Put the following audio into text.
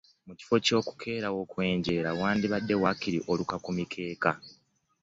Mu kifo ky'okukeera okwenjeera wandibadde waakiri oluka ku mikeeka.